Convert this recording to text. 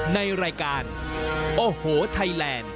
ในรายการโอ้โหไทยแลนด์